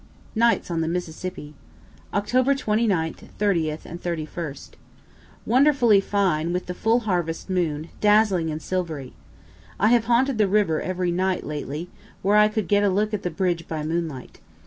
NIGHTS ON THE MISSISSIPPI Oct. 29th, 30th, and 31st. Wonderfully fine, with the full harvest moon, dazzling and silvery. I have haunted the river every night lately, where I could get a look at the bridge by moonlight.